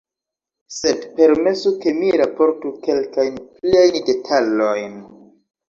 Sed permesu ke mi raportu kelkajn pliajn detalojn.